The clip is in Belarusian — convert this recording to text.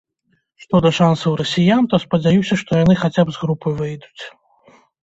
Што да шансаў расіян, то, спадзяюся, што яны хаця б з групы выйдуць.